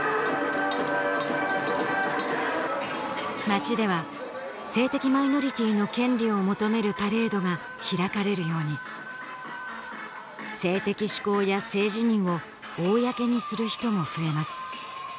街では性的マイノリティーの権利を求めるパレードが開かれるように性的指向や性自認を公にする人も増えます